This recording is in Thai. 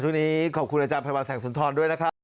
ช่วงนี้ขอบคุณอาจารย์ไพรวัลแสงสุนทรด้วยนะครับ